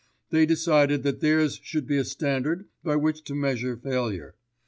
They decided that theirs should be a standard by which to measure failure.